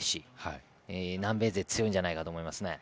南米勢強いんじゃないかなと思いますね。